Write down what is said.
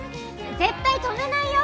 絶対泊めないよ！